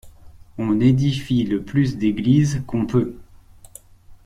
On édifie le plus d’églises qu’on peut.